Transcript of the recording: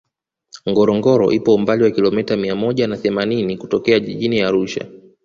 ngorongoro ipo umbali wa kilomita mia moja na themanini kutokea jijini arusha